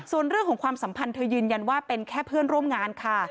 ส่วนเรื่องของความสัมพันธ์เธอยืนยันว่าเป็นแค่เพื่อนร่วมงานค่ะ